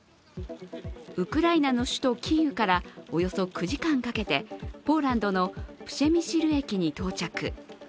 ウクライナの首都キーウからおよそ９時間かけてポーランドのプシェミシル駅に到着。